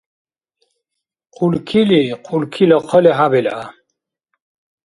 Хъулкили хъулкила хъали хӀебилгӀя.